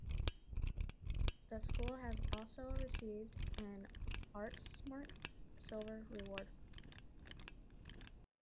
The school has also received an Artsmark Silver award.